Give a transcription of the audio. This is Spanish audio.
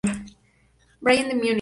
Bayern de Múnich